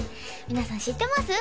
皆さん知ってます？